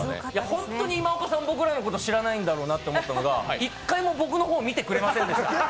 本当に今岡さん、僕らのこと知らないんだろうなと思ったのが、１回も僕の方、見てくれませんでした。